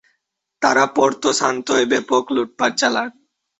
তারা পোর্তো সান্তোয় ব্যাপক লুটপাট চালান।